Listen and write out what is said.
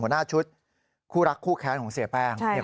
หัวหน้าชุดคู่รักคู่แค้นของเสียแป้ง